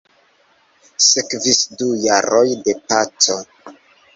Sekvis du jaroj de paco.